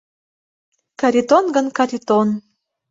Каритон гын, Каритон.